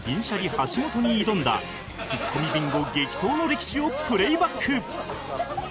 橋本に挑んだツッコミビンゴ激闘の歴史をプレーバック